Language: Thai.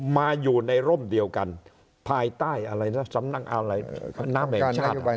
มาอยู่ในร่มเดียวกันภายใต้อะไรนะสำนักอะไรน้ำแห่งชาติ